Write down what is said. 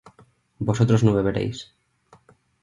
vosotros no beberéis